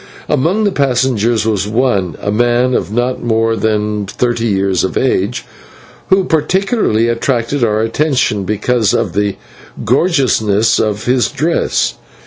Among the passengers was one, a man of not more than thirty years of age, who particularly attracted our attention because of the gorgeousness of his dress.